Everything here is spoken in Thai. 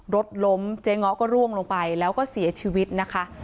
รถล้มเจ๊ง้อก็ร่วงลงไปแล้วก็เสียชีวิตนะคะ